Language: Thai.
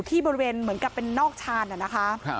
ที่บริเวณเหมือนกับเป็นนอกชานนะคะ